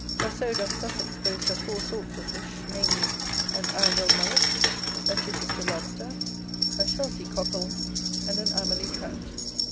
Just so doth Sussex boast of four sorts of fish, namely, an Arundel Mullet, a Chichester Lobster, a Shelsey Cockle, and an Amerly Trout.